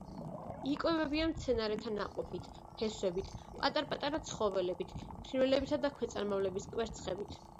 იკვებებიან მცენარეთა ნაყოფით, ფესვებით, პატარ-პატარა ცხოველებით, ფრინველებისა და ქვეწარმავლების კვერცხებით.